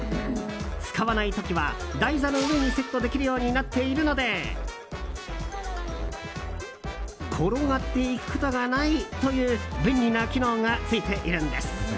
使わない時は台座の上にセットできるようになっているので転がっていくことがないという便利な機能がついているんです。